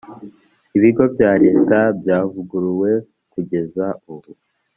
ibigo bya leta byavuguruwe kugeza ubu